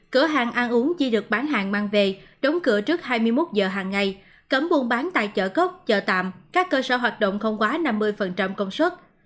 cửa hàng ăn uống chỉ được bán hàng mang về đóng cửa trước hai mươi một giờ hàng ngày cấm buôn bán tại chợ cốc chợ tạm các cơ sở hoạt động không quá năm mươi công suất